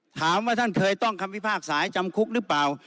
ถามว่าท่านเคยต้องคัมภิพากษายจำคุกหรือเปล่า